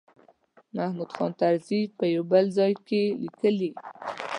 محمود خان طرزي په یو بل ځای کې لیکلي.